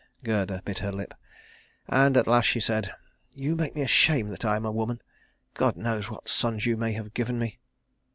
Gerda bit her lip; and at last she said, "You make me ashamed that I am a woman. God knows what sons you may have given me."